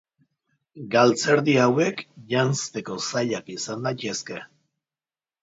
Galtzerdi hauek janzteko zailak izan daitezte.